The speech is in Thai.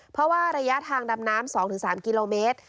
เพราะว่าระยะทางดำน้ำ๒๓กิโลเมตร